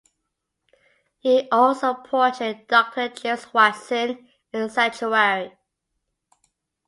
He also portrayed Doctor James Watson in "Sanctuary".